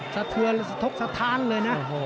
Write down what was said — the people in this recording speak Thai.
สะทวนสะทานเลยนะ